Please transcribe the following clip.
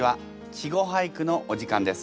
「稚語俳句」のお時間です。